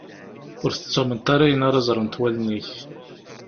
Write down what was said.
Ur tettamneḍ ara ayen ara ẓrent wallen-ik.